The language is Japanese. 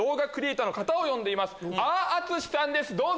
あああつしさんですどうぞ！